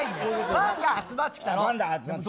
ファンが集まってきたの。